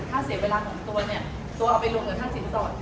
ถ้าเสียเวลาของตัวเนี่ยตัวเอาไปรวมกับค่าสินสอด